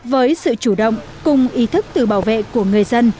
với sự chủ động cùng ý thức tự bảo vệ của người dân